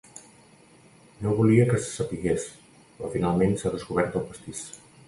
No volia que es sapigués, però finalment s'ha descobert el pastís.